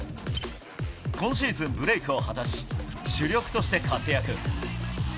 今シーズン、ブレークを果たし主力として活躍。